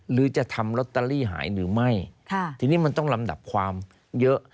หรือจะทำลอตเตอรี่หายหรือไม่ทีนี้มันต้องลำดับความเยอะ